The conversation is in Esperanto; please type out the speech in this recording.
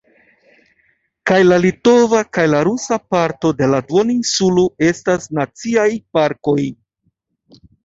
Kaj la litova kaj la rusa parto de la duoninsulo estas Naciaj Parkoj.